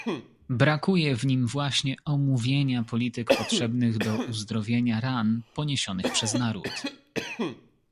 Brakuje w nim właśnie omówienia polityk potrzebnych do uzdrowienia ran poniesionych przez naród